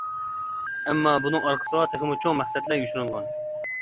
ئەمما بۇنىڭ ئارقىسىغا تېخىمۇ چوڭ مەقسەتلەر يوشۇرۇنغان.